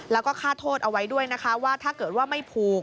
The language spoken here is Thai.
แล้วก็ฆ่าโทษเอาไว้ด้วยนะคะว่าถ้าเกิดว่าไม่ผูก